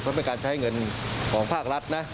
เพราะเป็นการใช้เงินของภาครัฐนะ